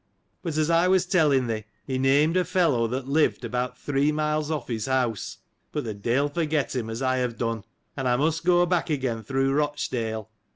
But, as I was telling thee, he named a fellow that lived about three miles off his house, (but the de'il forget him, as I have done,) and I must go back again through Eochdale.